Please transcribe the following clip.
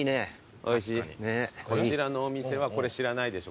こちらのお店はこれ知らないでしょ